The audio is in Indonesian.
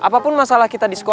boten mata kul kak